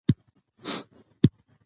پسه د افغانستان د سیاسي جغرافیه برخه ده.